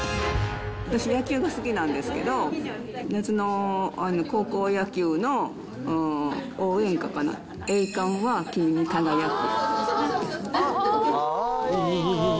私、野球が好きなんですけど、夏の高校野球の応援歌かな、栄冠は君に輝く。